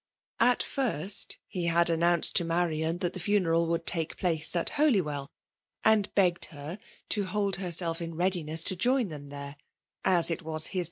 At first, he had announced to Marian thfit the funeral would take place at Holy well, and begged her to hold herself in readiness to join them there, as it was his.